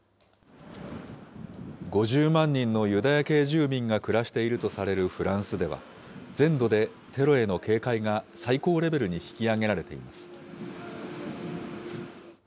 ５０万人のユダヤ系住民が暮らしているとされるフランスでは、全土でテロへの警戒が最高レベルに引き上げられています。